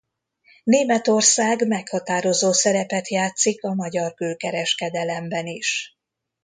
Németország meghatározó szerepet játszik a magyar külkereskedelemben is.